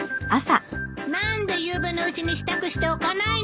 何でゆうべのうちに支度しておかないの！